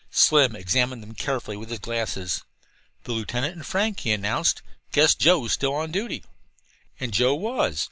Slim examined them carefully with his glasses. "The lieutenant and Frank," he announced. "Guess Joe's still on duty." And Joe was.